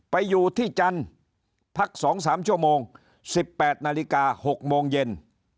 ไปอยู่ที่จันทร์พัก๒๓ชั่วโมง๑๘นาฬิกา๖โมงเย็น